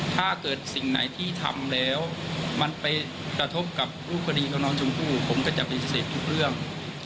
ถ้าเกิดสิ่งไหนที่ทำแล้วมันไปกระทบกับรูปคดีของน้องชมพู่ผมก็จะปฏิเสธทุกเรื่อง